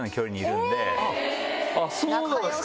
そうなんですか！